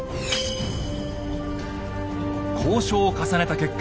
交渉を重ねた結果